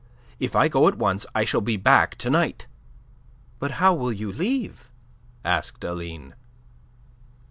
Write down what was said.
If I go at once, I shall be back to night." "But how will you leave?" asked Aline.